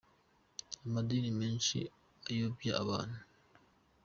Amadini menshi ayobya abantu.